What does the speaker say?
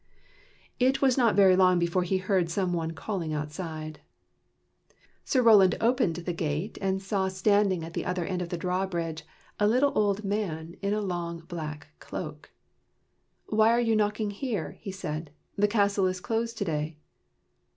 It was not very long before he heard some one calling outside. Sir Roland opened the gate, and saw standing at the other end of the drawbridge a little old man in a long black cloak. " Why are you knocking here? " he said. " The castle is closed to day.